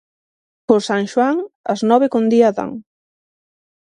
Por San Xoán, as nove con día dan.